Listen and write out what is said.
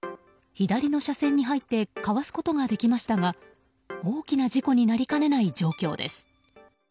左の車線に入ってかわすことができましたが大きな事故になりかねない状況です。